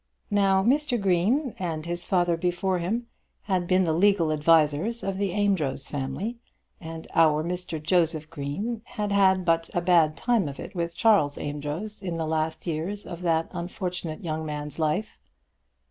Now Mr. Green, and his father before him, had been the legal advisers of the Amedroz family, and our Mr. Joseph Green had had but a bad time of it with Charles Amedroz in the last years of that unfortunate young man's life.